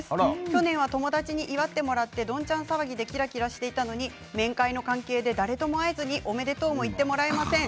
去年は友達に祝ってもらってどんちゃん騒ぎでキラキラしていたのに面会の関係で誰とも会えずにおめでとうも言ってもらえません。